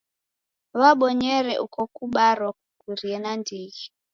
W'abonyere uko kubarwa kukurie nandighi.